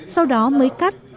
sau đó mới cắt